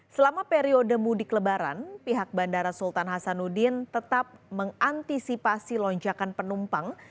selama periode mudik lebaran pihak bandara sultan hasanuddin tetap mengantisipasi lonjakan penumpang